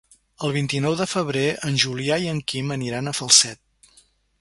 El vint-i-nou de febrer en Julià i en Quim aniran a Falset.